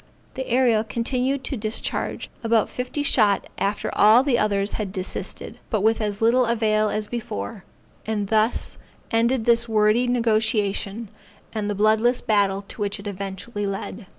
The Ariel continued to discharge about fifty shot after all the others had desisted, but with as little avail as before, and thus ended this wordy negociation, and the bloodless battle to which it eventually led.